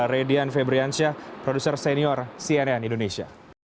redian febriansyah produser senior cnn indonesia